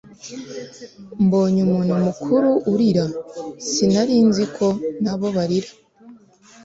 mbonye umuntu mukuru urira sinarinzi ko nabo barira